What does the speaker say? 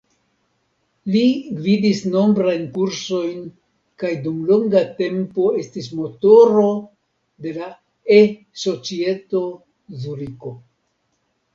Li gvidis nombrajn kursojn kaj dum longa tempo estis motoro de la E-Societo Zuriko.